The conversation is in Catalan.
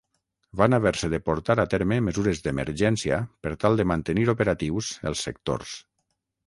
Van haver-se de portar a terme mesures d'emergència per tal de mantenir operatius els sectors.